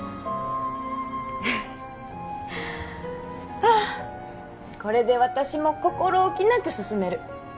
あっこれで私も心置きなく進める